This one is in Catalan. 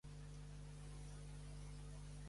Sánchez vol dirigir la Crida